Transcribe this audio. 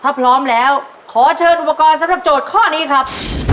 ถ้าพร้อมแล้วขอเชิญอุปกรณ์สำหรับโจทย์ข้อนี้ครับ